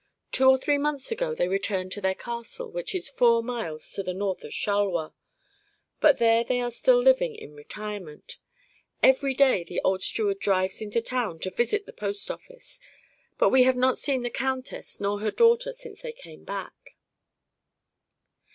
Two or three months ago they returned to their castle, which is four miles to the north of Charleroi, and there they are still living in retirement. Every day the old steward drives into town to visit the post office, but we have not seen the countess nor her daughter since they came back."